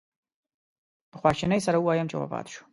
په خواشینۍ سره ووایم چې وفات شو.